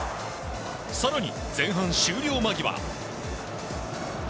更に、前半終了間際。